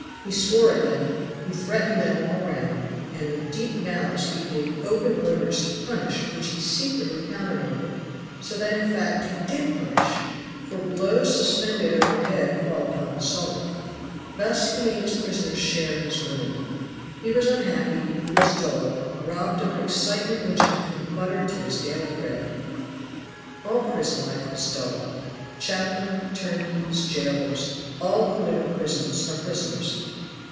He swore at them, he threatened them all round, and with deep malice he gave open orders to punish which he secretly countermanded, so that in fact he did punish, for blows suspended over the head fall upon the soul. Thus he made his prisoners share his gloom. He was unhappy; he was dull; robbed of an excitement which had become butter to his daily bread. All prison life is dull. Chaplain, turnkeys, jailers, all who live in prisons are prisoners.